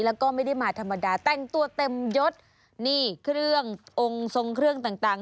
แล้วก็ไม่ได้มาธรรมดาแต่งตัวเต็มยศนี่เครื่ององค์ทรงเครื่องต่างต่าง